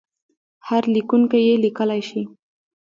هر لیکونکی یې لیکلای شي.